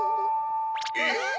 えっ？